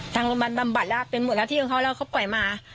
ทางโรงพยาบาลบำบัดแล้วเป็นหมดหน้าที่ของเขาแล้วเขาปล่อยมา